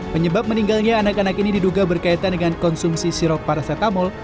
penyebab meninggalnya anak anak ini diduga berkaitan dengan konsumsi sirop paracetamol